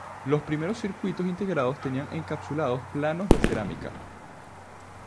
Los primeros circuitos integrados tenían encapsulados planos de cerámica.